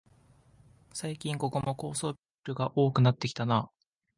最近ここも高層ビルが多くなってきたなあ